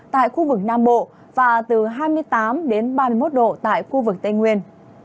tại khu vực nam bộ và từ hai mươi tám đến ba mươi một độ tại khu vực tây nguyên